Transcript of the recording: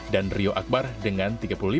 dan rio akbar dengan tiga puluh lima delapan puluh dua